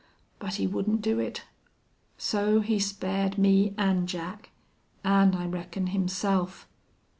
But he wouldn't do it. So he spared me an' Jack, an' I reckon himself.